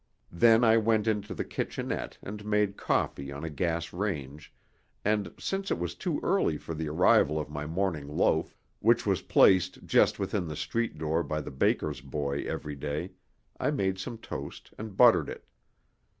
Then I went into the kitchenette and made coffee on the gas range, and, since it was too early for the arrival of my morning loaf, which was placed just within the street door by the baker's boy every day, I made some toast and buttered it.